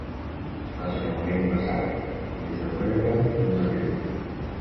Està generalment glaçat des de novembre fins a abril.